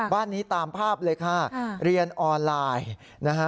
บ้านนี้ตามภาพเลยค่ะเรียนออนไลน์นะฮะ